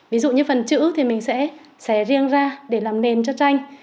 ví dụ như phần chữ thì mình sẽ xé riêng ra để làm nền cho tranh